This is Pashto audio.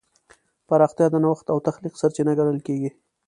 پراختیا د نوښت او تخلیق سرچینه ګڼل کېږي.